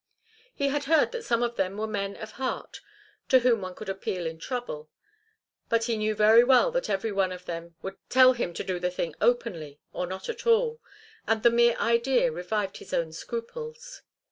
He had heard that some of them were men of heart to whom one could appeal in trouble. But he knew very well that every one of them would tell him to do the thing openly, or not at all, and the mere idea revived his own scruples.